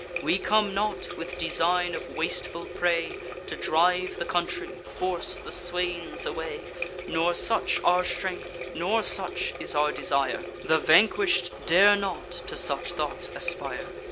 We come not with design of wasteful prey, To drive the country, force the swains away: Nor such our strength, nor such is our desire; The vanquish'd dare not to such thoughts aspire.